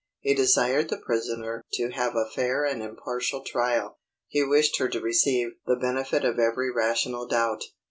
He desired the prisoner to have a fair and impartial trial. He wished her to receive the benefit of every rational doubt.